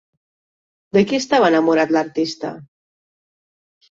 De qui estava enamorat l'artista?